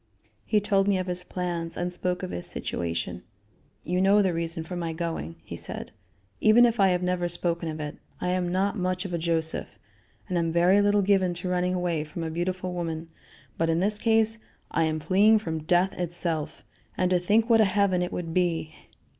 He told me of his plans and spoke of his situation: "You know the reason for my going," he said, "even if I have never spoken of it. I am not much of a Joseph, and am very little given to running away from a beautiful woman, but in this case I am fleeing from death itself. And to think what a heaven it would be.